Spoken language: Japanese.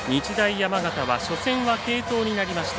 山形は初戦は継投になりました。